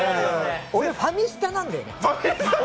俺は「ファミスタ」なんだよね。